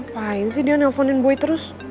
ngapain sih dia nelfonin boy terus